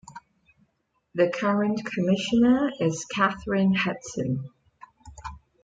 The current Commissioner is Kathryn Hudson.